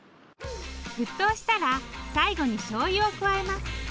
沸騰したら最後にしょうゆを加えます。